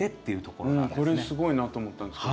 これすごいなと思ったんです。